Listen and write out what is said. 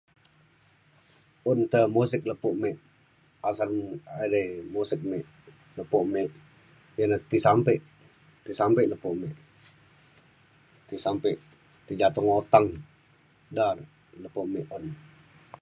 un te musik lepo mik asan um edai musik me' lepo me' ia ne ti sampe ti sampe lepo me' ti sampe ti jatung otang da lepo me' un